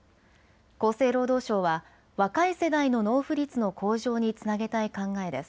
厚生労働省は若い世代の納付率の向上につなげたい考えです。